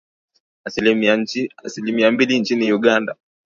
Asilimia mbili nchini Uganda